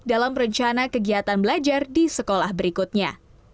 dalam rencana kegiatan belajar di sekolah berikutnya